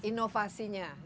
kunci nya adalah inovasi